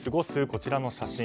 こちらの写真。